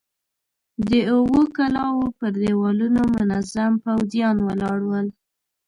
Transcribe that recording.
د اوو کلاوو پر دېوالونو منظم پوځيان ولاړ ول.